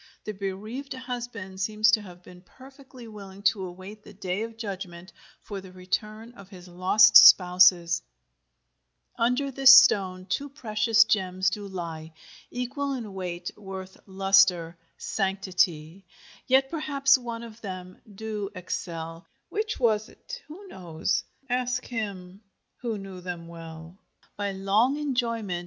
The bereaved husband seems to have been perfectly willing to await the Day of Judgment for the return of his lost spouses: Under this stone two precious gems do ly Equall in weight, worth, lustre, sanctity: Yet perhaps one of them do excell; Which was't who knows? ask him y^t knew y^{em} well By long enjoyment.